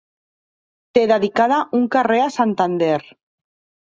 Té dedicada un carrer a Santander.